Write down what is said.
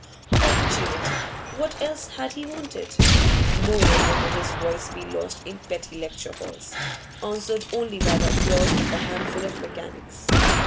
Opportunity what else had he wanted? No longer would his voice be lost in petty lecture halls, answered only by the applause of a handful of mechanics.